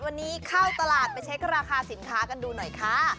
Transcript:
วันนี้เข้าตลาดไปเช็คราคาสินค้ากันดูหน่อยค่ะ